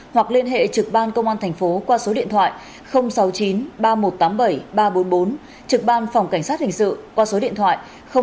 hoặc liên hệ trực ban công an tp qua số điện thoại sáu mươi chín ba nghìn một trăm tám mươi bảy ba trăm bốn mươi bốn trực ban phòng cảnh sát hình sự qua số điện thoại sáu mươi chín ba nghìn một trăm tám mươi bảy hai trăm linh